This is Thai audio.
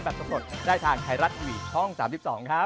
โปรดติดตามตอนต่อไป